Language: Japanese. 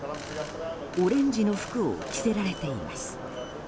オレンジの服を着せられています。